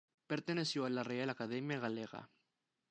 Perteneció a la Real Academia Galega.